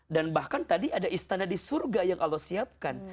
dan bahkan tadi ada istana di surga yang allah siapkan